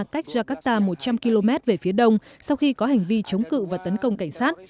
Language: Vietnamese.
cách jakarta một trăm linh km về phía đông sau khi có hành vi chống cự và tấn công cảnh sát